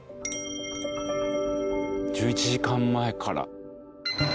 １１時間前から。